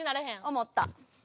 思った。